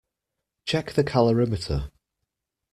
Check the calorimeter.